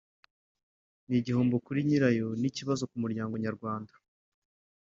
ni igihombo kuri nyirayo n’ikibazo ku muryango nyarwanda